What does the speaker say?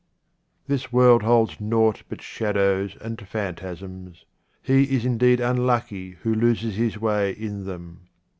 This world holds nought but shadows and phantasms. He is indeed unlucky who loses his way in them.